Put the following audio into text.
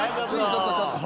ちょっとちょっと。